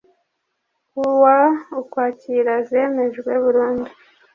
Kuwa ukwakira zemejwe burundu